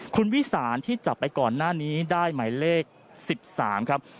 คุณวิสานที่จับไปก่อนหน้านี้ได้หมายเลข๑๓ครับ